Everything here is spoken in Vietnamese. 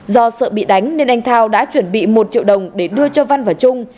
do sợ bị đánh nên anh thao đã chuẩn bị một triệu đồng để đưa cho văn và trung